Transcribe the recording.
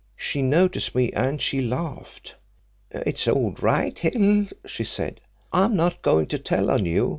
She noticed me and she laughed. 'It's all right, Hill,' she said. 'I'm not going to tell on you.